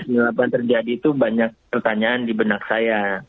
ketika sembilan puluh delapan terjadi itu banyak pertanyaan di benak saya